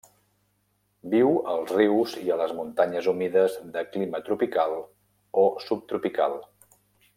Viu als rius i a les muntanyes humides de clima tropical o subtropical.